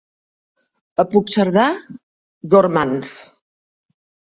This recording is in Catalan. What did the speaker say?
A Puigcerdà, gormands.